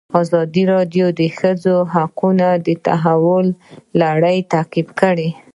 ازادي راډیو د د ښځو حقونه د تحول لړۍ تعقیب کړې.